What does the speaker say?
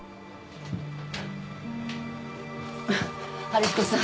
春彦さん。